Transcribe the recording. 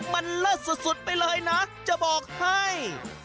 มันเลิศสุดไปเลยนะจะบอกให้